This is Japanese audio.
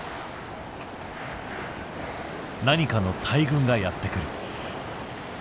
何かの大群がやって来る。